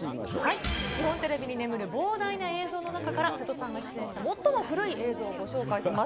日本テレビに眠る膨大な映像の中から、瀬戸さんが出演した最も古い映像をご紹介します。